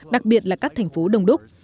đặc biệt là các thành phố đông đúc